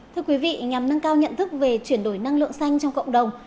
thưa quý vị nhằm nâng cao nhận thức về chuyển đổi năng lượng xanh trong cộng đồng